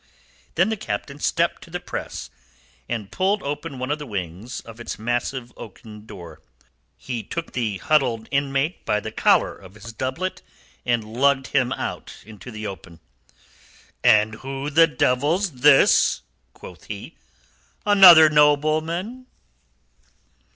Then the Captain stepped to the press, and pulled open one of the wings of its massive oaken door. He took the huddled inmate by the collar of his doublet, and lugged him out into the open. "And who the devil's this?" quoth he. "Another nobleman?"